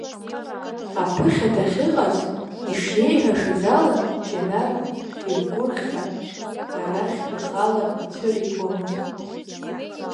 Аԥыхьа дахьыҟаз ишиеиҳәашаз ала, Џьанар диргәыӷхьан, арахь ихала ицәыригомызт.